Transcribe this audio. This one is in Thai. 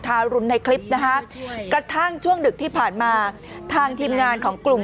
ทารุณในคลิปนะฮะกระทั่งช่วงดึกที่ผ่านมาทางทีมงานของกลุ่ม